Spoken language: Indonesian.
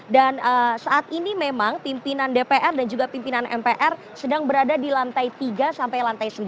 dan saat ini memang pimpinan dpr dan juga pimpinan mpr sedang berada di lantai tiga sampai lantai sembilan